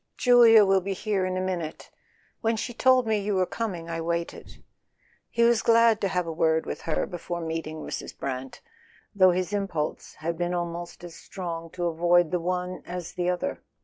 "Julia will be here in a minute. When she told me you were coming I waited." He was glad to have a word with her before meeting Mrs. Brant, though his impulse had been almost as strong to avoid the one as the other.